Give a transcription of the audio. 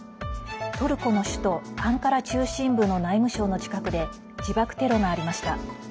トルコの首都アンカラ中心部の内務省の近くで自爆テロがありました。